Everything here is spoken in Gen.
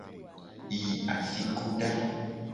Yi afikuda.